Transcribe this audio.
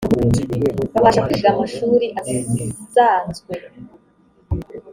babasha kwiga amashuri azanzwe